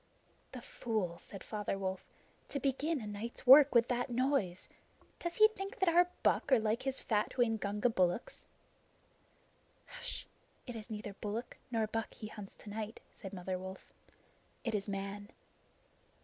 "The fool!" said Father Wolf. "To begin a night's work with that noise! Does he think that our buck are like his fat Waingunga bullocks?" "H'sh. It is neither bullock nor buck he hunts to night," said Mother Wolf. "It is Man."